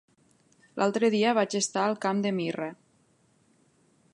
L'altre dia vaig estar al Camp de Mirra.